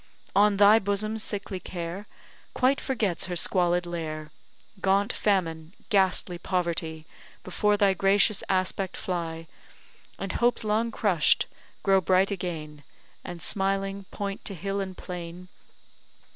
On thy bosom sickly care Quite forgets her squalid lair; Gaunt famine, ghastly poverty Before thy gracious aspect fly, And hopes long crush'd, grow bright again, And, smiling, point to hill and plain.